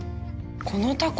このタコ